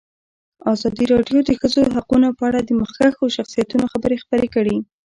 ازادي راډیو د د ښځو حقونه په اړه د مخکښو شخصیتونو خبرې خپرې کړي.